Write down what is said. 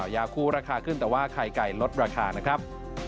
ยาคู่ราคาขึ้นแต่ว่าไข่ไก่ลดราคานะครับ